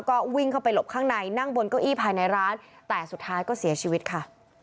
ก็วิ่งเข้าไปหลบข้างในนั่งบนเก้าอี้ภายในร้านแต่สุดท้ายก็เสียชีวิตค่ะ